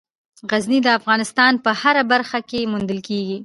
غزني د افغانستان په هره برخه کې موندل کېږي.